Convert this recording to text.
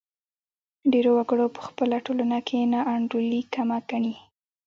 ډېر وګړي په خپله ټولنه کې ناانډولي کمه ګڼي.